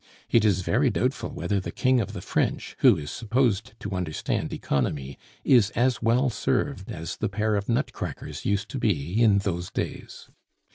It is very doubtful whether the King of the French, who is supposed to understand economy, is as well served as the pair of nutcrackers used to be in those days.